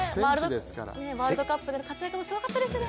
ワールドカップでの活躍もすごかったですね。